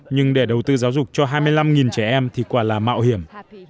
nhưng để đầu tư giáo dục cho hai mươi năm trẻ em thì quả là mạo hiểm